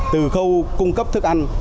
từ khâu cung cấp thức ăn